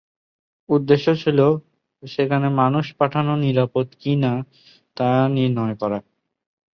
উদ্দেশ্য ছিল, সেখানে মানুষ পাঠানো নিরাপদ কি-না তা নির্ণয় করা।